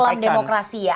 masa kelam demokrasi ya